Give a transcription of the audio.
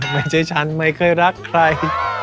ไม่ใช่ฉันไม่เคยรักใคร